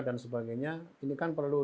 dan menjaga kemampuan